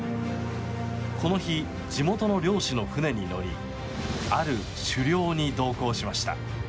この日、地元の猟師の船に乗りある狩猟に同行しました。